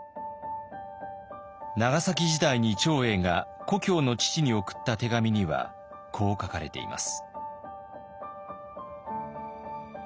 長崎時代に長英が故郷の父に送った手紙にはこう書かれています。